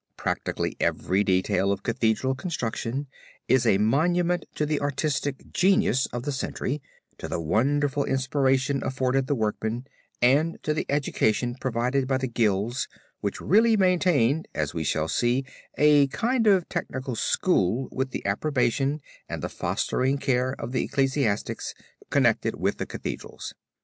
Practically every detail of Cathedral construction is a monument to the artistic genius of the century, to the wonderful inspiration afforded the workmen and to the education provided by the Guilds which really maintained, as we shall see, a kind of Technical School with the approbation and the fostering care of the ecclesiastics connected with the Cathedrals.